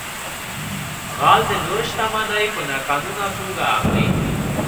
غل د نورو شتمنۍ په ناقانونه توګه اخلي